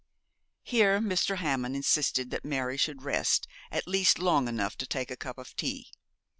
Here Mr. Hammond insisted that Mary should rest at least long enough to take a cup of tea.